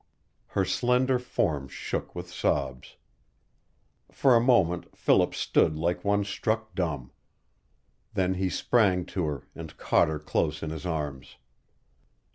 Her slender form shook with sobs. For a moment Philip stood like one struck dumb. Then he sprang to her and caught her close in his arms.